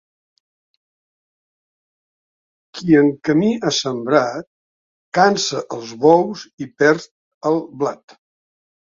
Qui en camí ha sembrat, cansa els bous i perd el blat.